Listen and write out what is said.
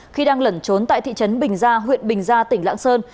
khi đang lẩn trốn tại thị trấn bình gia huyện bình gia tỉnh lãng sơn